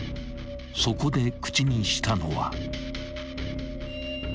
［そこで口にしたのは］